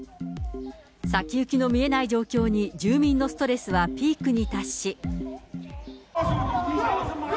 先行きの見えない状況に、住民のストレスはピークに達し。